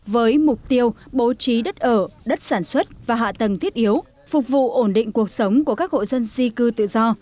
với mục tiêu bố trí đất ở đất sản xuất và hạ tầng thiết yếu phục vụ ổn định cuộc sống của các hộ dân di cư tự do